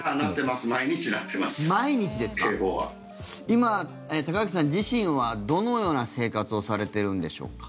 今、高垣さん自身はどのような生活をされているんでしょうか？